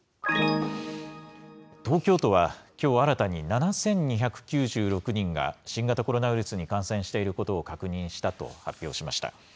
東京都は、きょう新たに７２９６人が新型コロナウイルスに感染していることを確認したと発表しました。